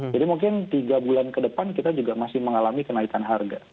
jadi mungkin tiga bulan ke depan kita juga masih mengalami kenaikan harga